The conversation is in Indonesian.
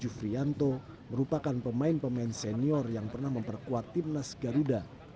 jufrianto merupakan pemain pemain senior yang pernah memperkuat timnas garuda